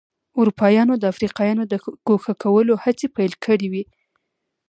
اروپایانو د افریقایانو د ګوښه کولو هڅې پیل کړې وې.